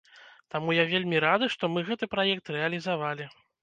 Таму я вельмі рады, што мы гэты праект рэалізавалі.